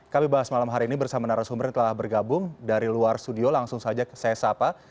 kami bahas malam hari ini bersama narasumber yang telah bergabung dari luar studio langsung saja saya sapa